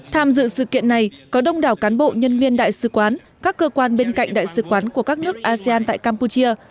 tham dự sự kiện này có đông đảo cán bộ nhân viên đại sứ quán các cơ quan bên cạnh đại sứ quán của các nước asean tại campuchia